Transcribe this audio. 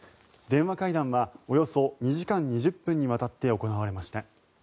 電話会談はおよそ２時間２０分にわたって行われました。